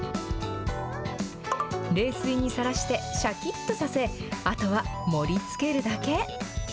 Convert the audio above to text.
冷水にさらしてしゃきっとさせ、あとは盛りつけるだけ。